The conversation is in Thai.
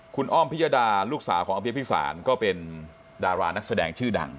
คุณอ้อมพิยดาลูกสาวของอภิพิสารก็เป็นดารานักแสดงชื่อดัง